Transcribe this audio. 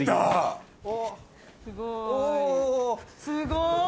すごい。